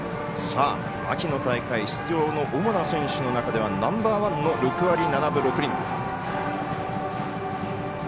秋の大会出場の主な選手の中ではナンバー１の６割７分６厘、知花。